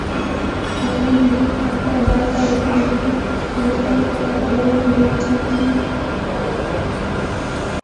نیّرندیم صاحب کا آبائی تعلق منقسم ہندوستان کے علاقہ برن بلند شہر سے ہے